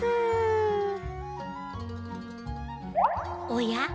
おや？